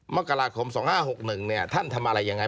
มกราคม๒๕๖๑ท่านทำอะไรยังไง